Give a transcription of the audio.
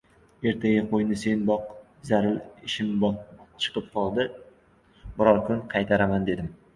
— Ertaga qo‘yni sen boq, zaril ishim chiqib qoldi, biror kun qaytararman, — dedim.